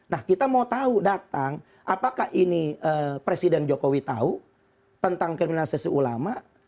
nah kita mau tahu datang apakah ini presiden jokowi tahu tentang kriminalisasi ulama